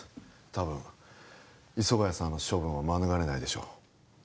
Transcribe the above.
多分磯ヶ谷さんの処分は免れないでしょう